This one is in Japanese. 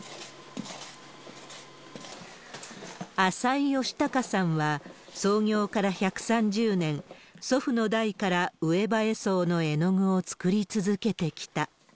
浅井良隆さんは創業から１３０年、祖父の代から上羽絵惣の絵の具を作り続けてきた。